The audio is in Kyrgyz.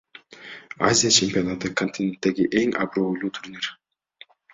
Азия чемпионаты — континенттеги эң абройлуу турнир.